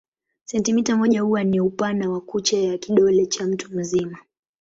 Sentimita moja huwa ni upana wa kucha ya kidole cha mtu mzima.